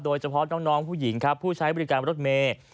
โดยเฉพาะน้องผู้หญิงครับผู้ใช้บริการรถเมย์